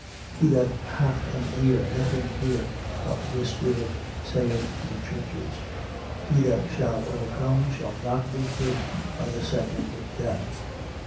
2:11. He that hath an ear, let him hear what the Spirit saith to the churches: He that shall overcome shall not be hurt by the second death.